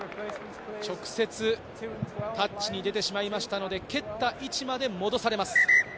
直接タッチに出てしまいましたので蹴った位置まで戻されます。